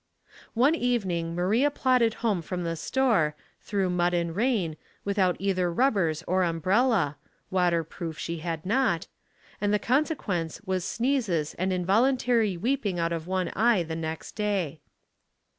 One evening Maria plodded home from the store, through mud and rain, without either rubbers or umbrella (waterproof she had not), and the consequence was sneezes and involuntary weeping out of one eye the next day.